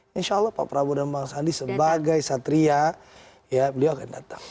insya allah pak prabowo dan bang sandi sebagai satria ya beliau akan datang